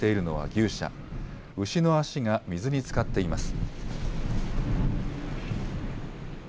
牛の足が水につかっています。